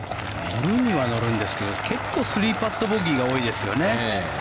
乗るには乗るんですけど結構３パットボギーが多いですよね。